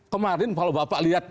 kemarin kalau bapak lihat